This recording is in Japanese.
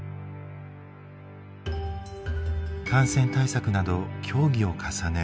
感染対策など協議を重ね